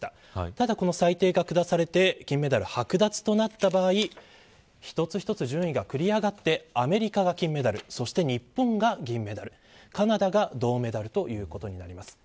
ただ、この裁定がくだされて金メダルはく奪となった場合一つ一つ順位が繰り上がってアメリカが金メダルそして日本が銀メダルカナダが銅メダルということになります。